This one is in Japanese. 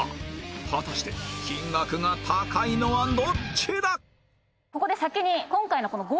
果たして金額が高いのはどっちだ？